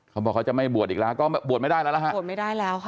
เขาบอกว่าจะไม่บวชอีกแล้วก็บวชไม่ได้แล้ว